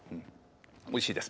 おいしいです。